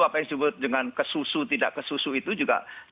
apa yang disebut dengan kesusu tidak kesusu itu